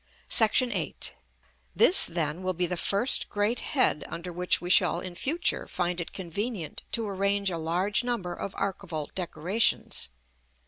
[Illustration: Fig. LXX.] § VIII. This, then, will be the first great head under which we shall in future find it convenient to arrange a large number of archivolt decorations.